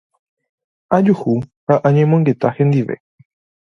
ajuhu ha añomongeta hendive.